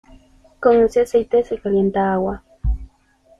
Con ese aceite se calienta agua.